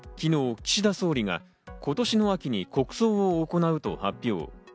昨日、岸田総理が今年の秋に国葬を行うと発表。